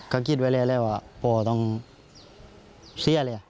ก็คิดไว้แล้วว่าพ่อต้องเสียเลย